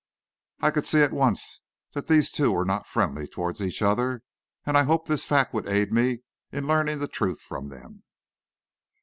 I could see at once that these two were not friendly toward each other, and I hoped this fact would aid me in learning the truth from them.